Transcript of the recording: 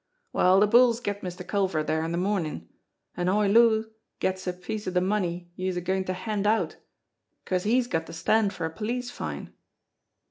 Well, de bulls get Mister Culver dere in de mornin' an' Hoy Loo gets a piece of de money youse're goin' to hand out 'cause he's got to stand for a police fine."